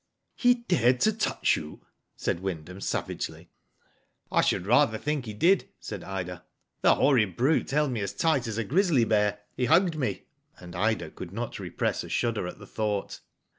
He dared, to tpuch you ?" said Wyndham, savagely. " I should rather think he did," said Ida. '* The horrid brute held me as tight as a grizzly bear. He hugged me," and Ida could not repress a shudder at the thought.